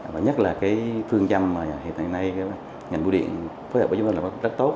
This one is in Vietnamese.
và nhất là cái phương châm mà hiện nay ngành bộ điện phối hợp với chúng tôi là có rất tốt